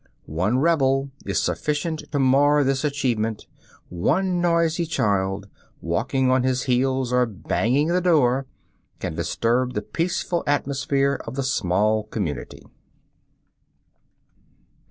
One rebel is sufficient to mar this achievement; one noisy child, walking on his heels or banging the door, can disturb the peaceful atmosphere of the small community.